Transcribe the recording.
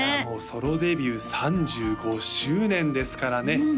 もうソロデビュー３５周年ですからね